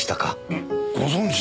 えご存じで？